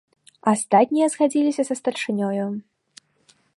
Астатнія згадзіліся са старшынёю.